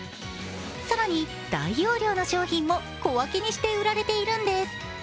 更に大容量の商品も小分けにして売られているんです。